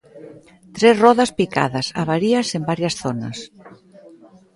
Tres rodas picadas, avarías en varias zonas.